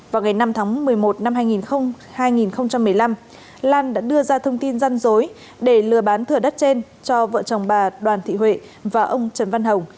vào ngày năm tháng một mươi một năm hai nghìn một mươi năm lan đã đưa ra thông tin gian dối để lừa bán thửa đất trên cho vợ chồng bà đoàn thị huệ và ông trần văn hồng